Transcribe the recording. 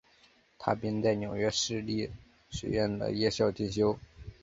他并在纽约市立学院的夜校进修。